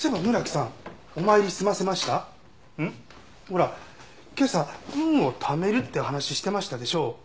ほら今朝運をためるって話してましたでしょ？